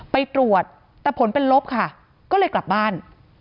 ไปตรวจแต่ผลเป็นลบค่ะก็เลยกลับบ้าน